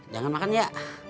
jangan makan ya